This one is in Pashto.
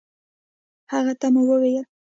هغه ته مو وويل